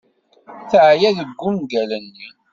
Teεya deg ungal-nni.